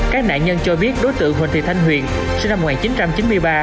các nạn nhân cho biết đối tượng huỳnh thị thanh huyền sinh năm một nghìn chín trăm chín mươi ba